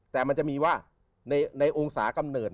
แต่มันจะมีว่าในองศากำเนิด